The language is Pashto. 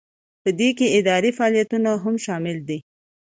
په دې کې اداري فعالیتونه هم شامل دي.